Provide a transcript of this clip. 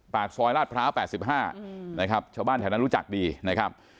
ปากซอยลาดพร้าว๘๕นะครับชาวบ้านแถวนั้นรู้จักดีนะครับ